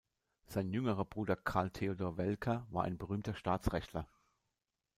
Sein jüngerer Bruder Carl Theodor Welcker war ein berühmter Staatsrechtler.